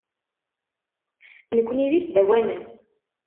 Nukni d isdawanen.